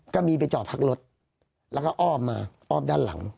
ก็มีไปจอดพักรถแล้วก็อ้อมมาอ้อมด้านหลัง